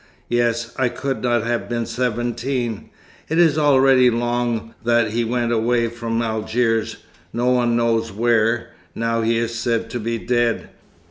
Yes, I could not have been seventeen. It is already long that he went away from Algiers, no one knows where. Now he is said to be dead.